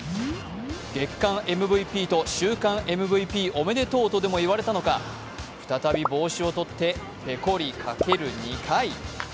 月間ＭＶＰと週間ＭＶＰおめでとうとでも言われたのか、再び帽子を取ってぺこりかける２回。